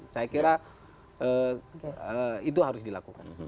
saya kira itu harus dilakukan